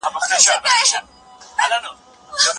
لوستې نجونې د ټولنې باور ساتنه کوي.